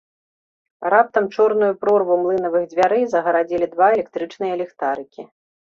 Раптам чорную прорву млынавых дзвярэй загарадзілі два электрычныя ліхтарыкі.